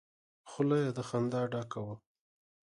خوله يې له خندا ډکه وه!